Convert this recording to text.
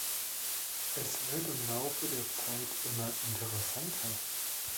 Es wird im Laufe der Zeit immer interessanter.